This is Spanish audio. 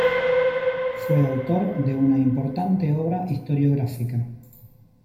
Fue autor de una importante obra historiográfica.